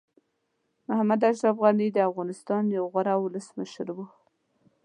محمد اشرف غني د افغانستان یو غوره ولسمشر وو.